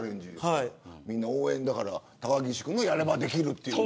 みんな、応援高岸君がやればできると。